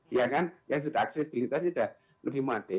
ya kan yang sudah accessibility sudah lebih made